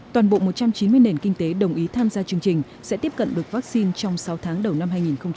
toàn bộ một trăm chín mươi nền kinh tế đồng ý tham gia chương trình sẽ tiếp cận được vaccine trong sáu tháng đầu năm hai nghìn hai mươi